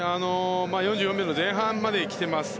４４秒台前半まできています。